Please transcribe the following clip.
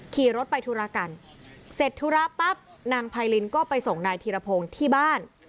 ขี่รถไปธุระกันเสร็จธุระปั๊บนางไพรินก็ไปส่งนายธีรพงศ์ที่บ้าน